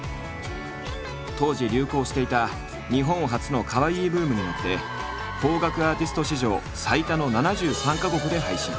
当時流行していた日本発のカワイイブームに乗って邦楽アーティスト史上最多の７３か国で配信。